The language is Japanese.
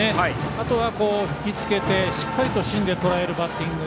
あとは、引き付けてしっかりと芯でとらえるバッティング